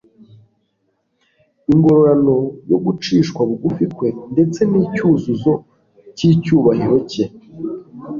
ingororano yo gucishwa bugufi kwe ndetse n'icyuzuzo cy'icyubahiro cye.